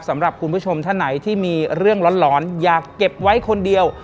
สำหรับคุณผู้ชมท่านไหนที่มีเรื่องร้อนอยากเก็บไว้คนเดียว